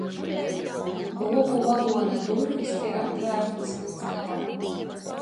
Lopu vagona durvis ir atvērtas līdz galam.